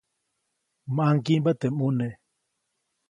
ʼMaŋgiʼmba teʼ ʼmune.